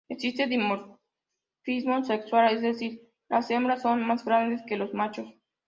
Existe dimorfismo sexual, es decir, las hembras son más grandes que los machos.